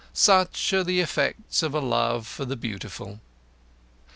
Such are the effects of a love for the Beautiful.